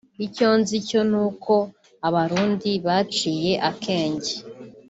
icyo nzi cyo ni uko Abarundi baciye akenge”